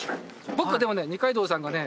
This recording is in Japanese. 僕はでもね二階堂さんがね